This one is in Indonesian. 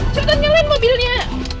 cepetan nyalain mobilnya